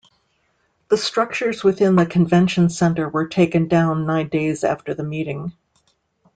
The structures within the convention centre were taken down nine days after the meetings.